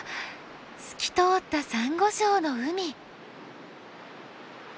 透き通ったサンゴ礁の海。